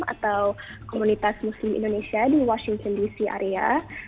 atau komunitas muslim indonesia di washington dc area